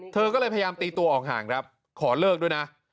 เธอก็เลยพยายามตีตัวออกห่างครับขอเลิกด้วยนะ